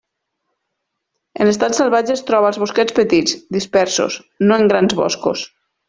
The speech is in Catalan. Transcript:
En estat salvatge es troba als bosquets petits, dispersos, no en grans boscos.